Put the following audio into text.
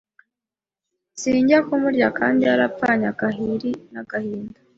sinjya kumurya kandi yarapfanye agahiri n'agahinda